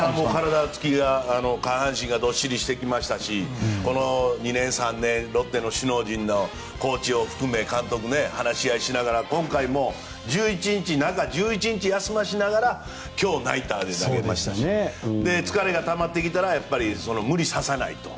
体つきが下半身がどっしりしてきましたしこの２年、３年ロッテの首脳陣のコーチも含め話し合いをしながら今回も中１１日休ませながらナイターで投げて疲れがたまってきたら無理させないと。